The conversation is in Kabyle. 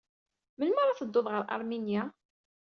Melmi ara tedduḍ ɣer Aṛminya?